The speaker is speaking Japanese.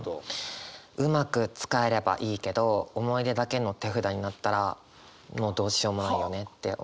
うまく使えればいいけど思い出だけの手札になったらもうどうしようもないよねって思っちゃう。